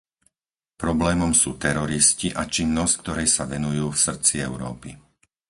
Problémom sú teroristi a činnosť, ktorej sa venujú v srdci Európy.